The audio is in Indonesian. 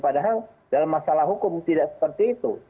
padahal dalam masalah hukum tidak seperti itu